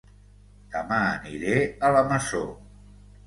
Dema aniré a La Masó